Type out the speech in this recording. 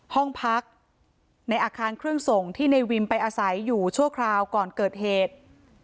ห้องพักในอาคารเครื่องส่งที่ในวิมไปอาศัยอยู่ชั่วคราวก่อนเกิดเหตุ